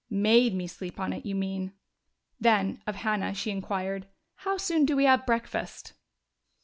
"Made me sleep on it, you mean." Then, of Hannah, she inquired, "How soon do we have breakfast?"